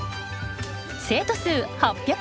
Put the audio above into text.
生徒数８８０。